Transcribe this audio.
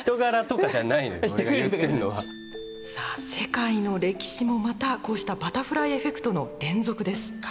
さあ世界の歴史もまたこうした「バタフライエフェクト」の連続です。